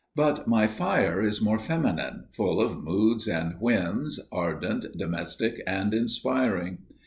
But my fire is more feminine, full of moods and whims, ardent, domestic and inspiring.